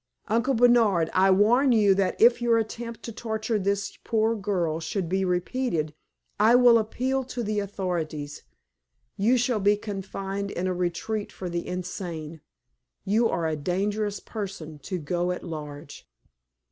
Uncle Bernard, I warn you that if your attempt to torture this poor girl should be repeated, I will appeal to the authorities. You shall be confined in a retreat for the insane. You are a dangerous person to go at large."